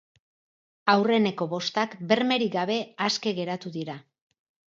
Aurreneko bostak bermerik gabe aske geratu dira.